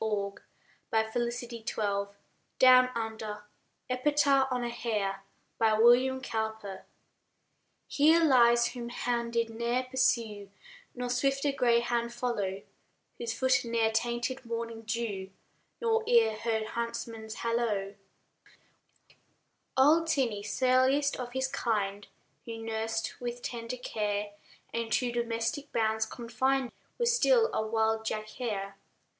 Allan Cunningham RAINBOW GOLD EPITAPH ON A HARE HERE lies, whom hound did ne'er pursue, Nor swifter greyhound follow, Whose foot ne'er tainted morning dew, Nor ear heard huntsman's hallo; Old Tiney, surliest of his kind, Who, nursed with tender care, And to domestic bounds confined, Was still a wild Jack hare.